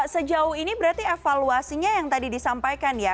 sejauh ini berarti evaluasinya yang tadi disampaikan ya